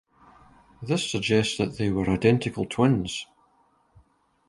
This suggests that they were identical twins.